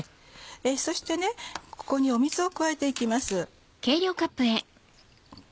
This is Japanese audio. そしてここに水を加えて行きます。